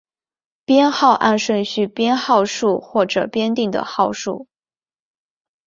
编号按顺序编号数或者编定的号数。